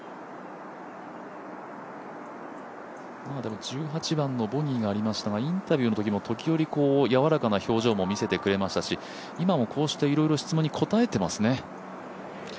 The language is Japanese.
でも１８番のボギーがありましたがインタビューの時も時折、柔らかな表情を見せてくれましたし今もこうしていろいろ質問に答えてますね。